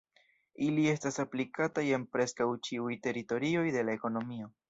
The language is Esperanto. Ili estas aplikataj en preskaŭ ĉiuj teritorioj de la ekonomio.